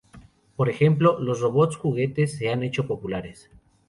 Por ejemplo, los robots juguetes se han hecho populares.